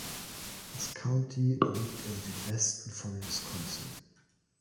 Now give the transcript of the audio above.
Das County liegt im Südwesten von Wisconsin.